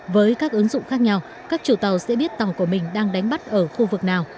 với các ứng dụng khác nhau các chủ tàu sẽ biết tàu của mình đang đánh bắt ở khu vực nào